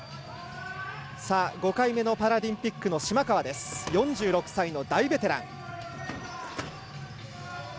５回目のパラリンピックの島川です、４６歳の大ベテラン。